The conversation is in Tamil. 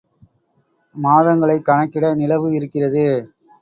மாதங்களைக் கணக்கிட நிலவு இருக்கிறது.